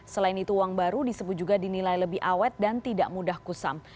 selain itu uang baru disebut juga dinilai lebih awet dan tidak mudah kusam